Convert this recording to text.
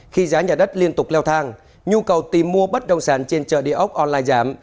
khi giá nhà đất liên tục leo thang nhu cầu tìm mua bất động sản trên chợ địa ốc online giảm